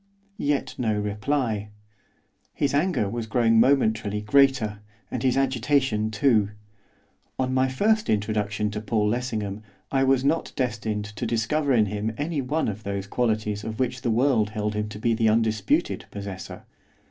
Yet no reply. His anger was growing momentarily greater, and his agitation too. On my first introduction to Paul Lessingham I was not destined to discover in him any one of those qualities of which the world held him to be the undisputed possessor.